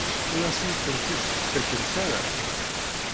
Ur asent-ten-id-tettakemt ara?